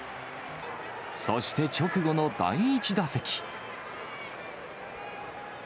そして直後の第１打席。